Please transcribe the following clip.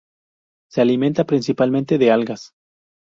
Se alimenta principalmente de algas.